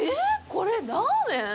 これ、ラーメン！？